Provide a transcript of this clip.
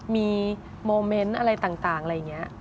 มีโมเมนต์อะไรต่างอะไรอย่างนี้